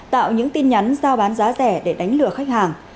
tạo những tin nhắn giao bán giá rẻ để đánh lừa khách hàng